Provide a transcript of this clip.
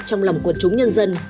trong lòng của chúng nhân dân